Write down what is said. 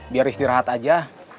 biar istirahat aja